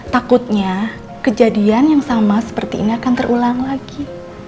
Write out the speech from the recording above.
takutnya kejadian yang sama seperti ini akan terulang lagi